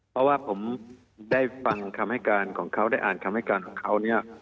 เพราะว่าผมได้ฟังคำให้การของเขาได้อ่านคำให้การของเขาเนี่ย